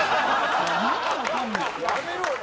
やめろよ！